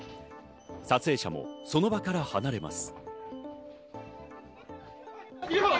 撮影者もその場から離れます。